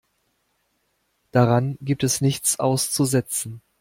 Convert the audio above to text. Daran gibt es nichts auszusetzen.